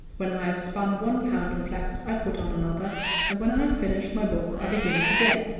When I have spun one pound of flax I put on another, and when I have finished my book I begin it again.